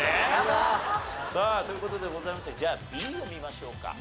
さあという事でございましてじゃあＢを見ましょうか。